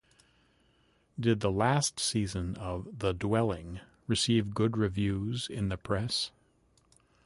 Did the last season of "The Dwelling" receive good reviews in the press?